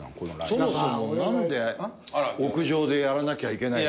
そもそもなんで屋上でやらなきゃいけない。